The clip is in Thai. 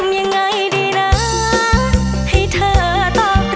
อยากแต่งานกับเธออยากแต่งานกับเธอ